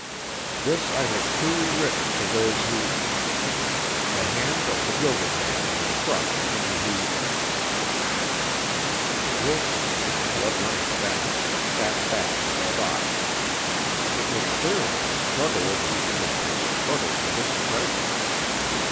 This I have truly written for those who . The hand of the Gilded Man will crush any who ." Wilson, his blood running fast, sat back and thought. It was clear that the struggle over the image was a struggle for this treasure.